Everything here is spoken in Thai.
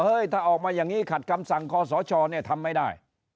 ถ้าออกมาอย่างนี้ขัดคำสั่งคอสชเนี่ยทำไม่ได้